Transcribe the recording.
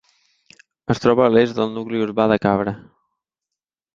Es troba a l'est del nucli urbà de Cabra.